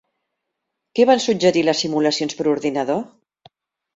Què van suggerir les simulacions per ordinador?